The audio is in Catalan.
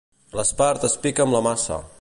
L'espart es pica amb la maça.